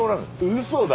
うそだ。